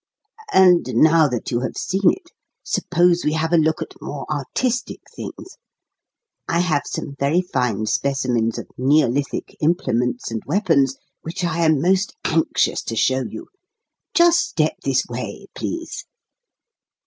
And now that you have seen it, suppose we have a look at more artistic things. I have some very fine specimens of neolithic implements and weapons which I am most anxious to show you. Just step this way, please."